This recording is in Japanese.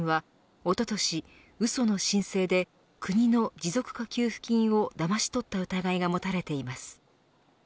容疑者ら７人はおととし、うその申請で国の持続化給付金をだまし取った疑いが持たれています。